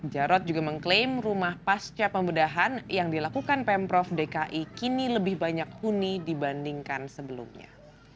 jarod juga mengklaim rumah pasca pembedahan yang dilakukan pemprov dki kini lebih banyak huni dibandingkan sebelumnya